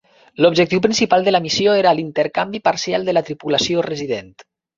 L'objectiu principal de la missió era l'intercanvi parcial de la tripulació resident.